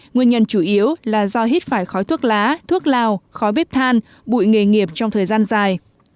nguyên nhân chủ yếu là do hít phải khói thuốc lá thuốc lào khói bếp than bụi nghề nghiệp trong thời gian dài